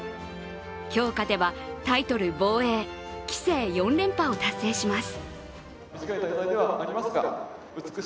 今日勝てば、タイトル防衛棋聖４連覇を達成します。